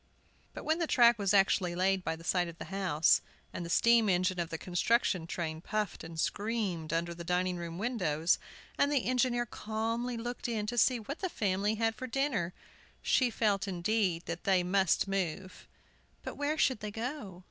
But when the track was actually laid by the side of the house, and the steam engine of the construction train puffed and screamed under the dining room windows, and the engineer calmly looked in to see what the family had for dinner, she felt, indeed, that they must move. But where should they go?